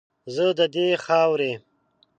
زه ددې خاورې